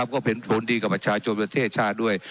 ก็เป็นผลดีกับประชาชนประเทศชาติด้วย